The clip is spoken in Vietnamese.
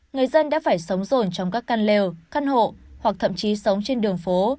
người dân đã phải sống rồn trong các căn lều căn hộ hoặc thậm chí sống trên đường phố